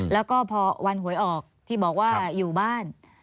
แล้วก็พอวันหวยออกที่บอกว่าอยู่บ้าน